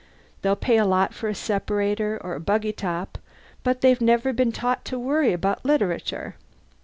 They'll pay a lot for a separator or a buggy top, but they've never been taught to worry about literature!